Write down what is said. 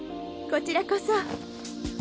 こちらこそ。